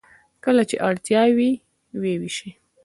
کله چې اړتیا وي و یې ویشي.